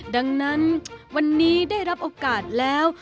ดังนั้นวันนี้ได้รับโอกาสแล้ว